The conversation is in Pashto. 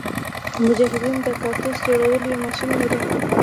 مجاهدین د کارتوس جوړولو یو ماشین لري.